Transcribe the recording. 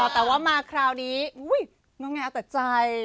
อ๋อแต่ว่ามาคราวนี้อุ้ยง้ายแต่ใจ